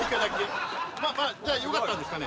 ままあじゃあよかったんですかね？